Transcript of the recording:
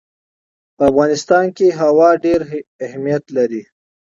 په افغانستان کې هوا ډېر اهمیت لري.